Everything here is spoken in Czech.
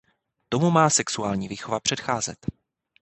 Tomu má sexuální výchova předcházet.